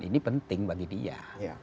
ini penting bagi dia